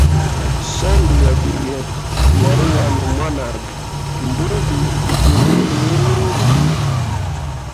Solo lya vilye lya uhana mwanage mbubi bukwilile mwilungu.